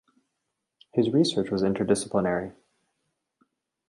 His research was interdisciplinary.